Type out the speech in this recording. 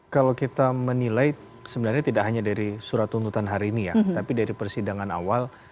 kalau kita menilai sebenarnya tidak hanya dari surat tuntutan hari ini ya tapi dari persidangan awal